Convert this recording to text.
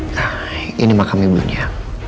nah ini mah kami belunya